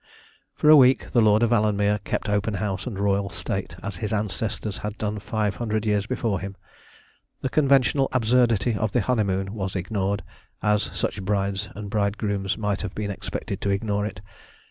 For a week the Lord of Alanmere kept open house and royal state, as his ancestors had done five hundred years before him. The conventional absurdity of the honeymoon was ignored, as such brides and bridegrooms might have been expected to ignore it.